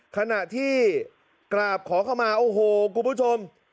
ขณะที่กราบขอเข้ามาโอ้โหคุณผู้ชม